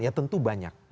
ya tentu banyak